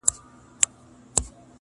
يو قدم مخكښې بل په شا واخلم